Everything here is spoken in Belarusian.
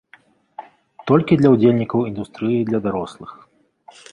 Толькі для ўдзельнікаў індустрыі для дарослых.